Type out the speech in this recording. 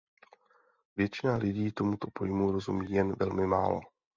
Většina lidí tomuto pojmu rozumí jen velmi málo.